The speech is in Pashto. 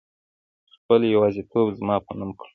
خپل يوازيتوب زما په نوم کړه